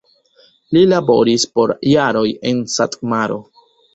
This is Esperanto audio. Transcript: Li laboris por jaroj en Satmaro.